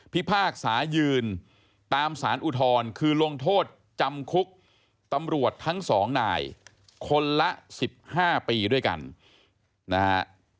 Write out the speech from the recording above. พากษายืนตามสารอุทธรณ์คือลงโทษจำคุกตำรวจทั้งสองนายคนละ๑๕ปีด้วยกันนะฮะ